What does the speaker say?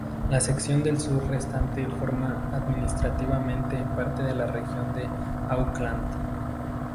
La sección del sur restante forma administrativamente parte de la región de Auckland.